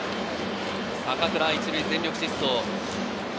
坂倉、１塁全力疾走。